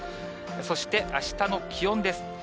そしてあしたの気温です。